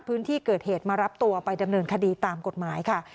พื้นที่เกิดเหตุมารับตัวไปดำเนินคดีตามกฎหมายค่ะ